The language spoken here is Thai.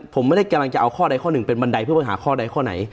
ผมไม่ได้กำลังจะเอาข้อใดข้อหนึ่งเป็นบันไดเพื่อไปหาข้อใดข้อไหน